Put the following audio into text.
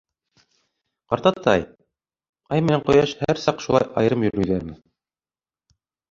— Ҡартатай, Ай менән Ҡояш һәр саҡ шулай айырым йөрөйҙәрме?